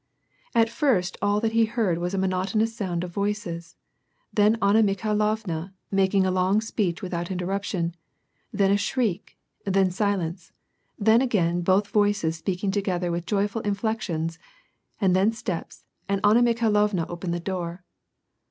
At first all that he heard was a monotonous sound of voices ; then Anna Mikhailovna, making a long speech without inter ruption ; then a shriek ; then silence ; then, again, both voices speaking together with joyful inflections, and then steps, and Anna Mikhailovna opened the door.